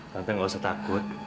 tante nggak usah takut